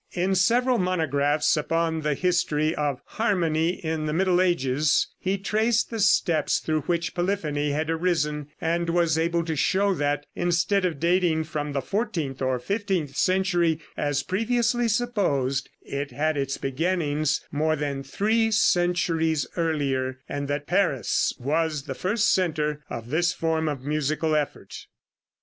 In several monographs upon the history of "Harmony in the Middle Ages," he traced the steps through which polyphony had arisen, and was able to show that, instead of dating from the fourteenth or fifteenth century, as previously supposed, it had its beginnings more than three centuries earlier, and that Paris was the first center of this form of musical effort.